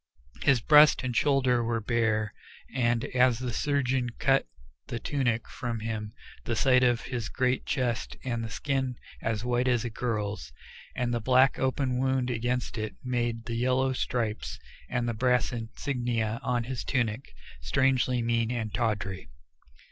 His breast and shoulders were bare, and as the surgeon cut the tunic from him the sight of his great chest and the skin, as white as a girl's, and the black open wound against it made the yellow stripes and the brass insignia on the tunic, strangely mean and tawdry.